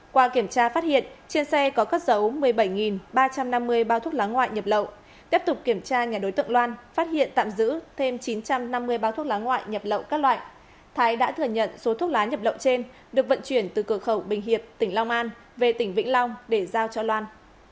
qua kiểm tra phát hiện trên xe có cất dấu một mươi bảy ba trăm năm mươi bao thuốc lá ngoại nhập lậu tiếp tục kiểm tra nhà đối tượng loan phát hiện tạm giữ thêm chín trăm năm mươi bao thuốc lá ngoại nhập lậu các loại thái đã thừa nhận số thuốc lá nhập lậu trên được vận chuyển từ cửa khẩu bình hiệp tỉnh long an về tỉnh vĩnh long để giao cho loan